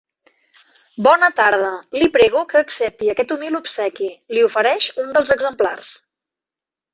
Bona tarda, li prego que accepti aquest humil obsequi —li ofereix un dels exemplars—.